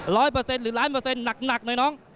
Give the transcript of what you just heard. ร้อยเปอร์เซ็นหรือร้อยเปอร์เซ็นหนักหน่อยน้อง